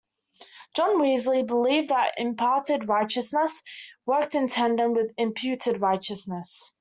John Wesley believed that imparted righteousness worked in tandem with imputed righteousness.